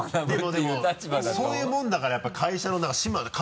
でもそういうものだからやっぱり会社の何か。